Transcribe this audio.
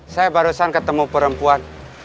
saya barusan ketemu perempuan